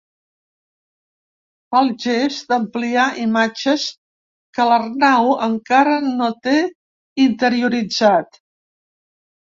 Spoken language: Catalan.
Fa el gest d'ampliar imatges que l'Arnau encara no té interioritzat.